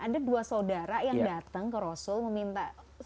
ada dua saudara yang datang ke rasul meminta